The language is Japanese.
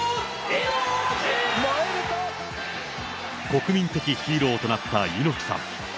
国民的ヒーローとなった猪木さん。